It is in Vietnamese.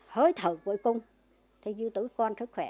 hơi thở cuối cùng thì giữ tụi con sức khỏe